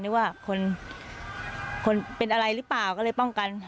หรือว่าคนเป็นอะไรหรือเปล่าก็เลยป้องกัน